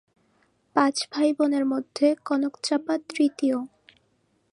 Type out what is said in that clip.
পাঁচ ভাই বোনের মধ্যে কনক চাঁপা তৃতীয়।